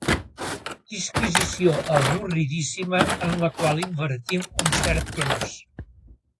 Disquisició avorridíssima en la qual invertim un cert temps.